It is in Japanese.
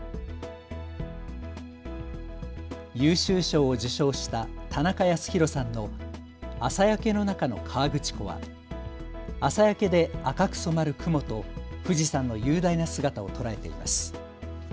優秀賞を受賞した田中康博さんの朝焼けの中の河口湖は朝焼けで赤く染まる雲と富士山の雄大な姿を捉えています。